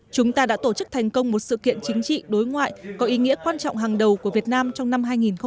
chúng ta đã tổ chức thành công một sự kiện chính trị đối ngoại có ý nghĩa quan trọng hàng đầu của việt nam trong năm hai nghìn một mươi tám